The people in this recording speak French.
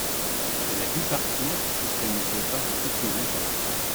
Elle a dû partir puisqu’elle ne pouvait pas rester plus longtemps.